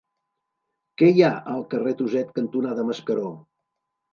Què hi ha al carrer Tuset cantonada Mascaró?